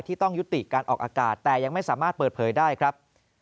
ต้องยุติการออกอากาศแต่ยังไม่สามารถเปิดเผยได้ครับ